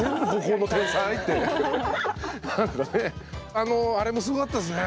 あのあれもすごかったですね